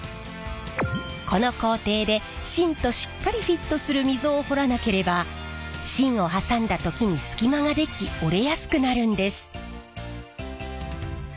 この工程で芯としっかりフィットする溝を掘らなければ芯をはさんだ時に隙間ができ折れやすくなるんです。